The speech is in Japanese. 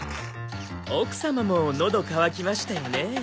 奥様ものど渇きましたよね？